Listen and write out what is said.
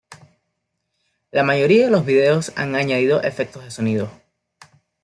La mayoría de los videos han añadido efectos de sonido.